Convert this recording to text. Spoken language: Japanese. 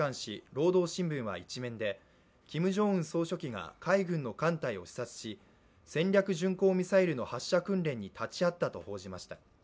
「労働新聞」は１面でキム・ジョンウン総書記が海軍の艦隊を視察し、戦略巡航ミサイルの発射訓練に立ち会ったと報じました。